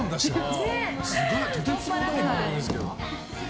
すごいとてつもない番組ですけど。